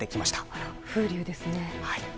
あら、風流ですね。